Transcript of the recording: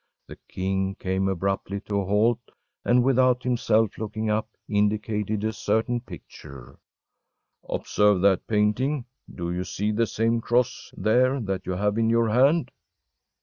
The king came abruptly to a halt, and without himself looking up indicated a certain picture: “Observe that painting! Do you see the same Cross there that you have in your hand?